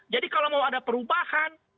jadi kalau mau ada perubahan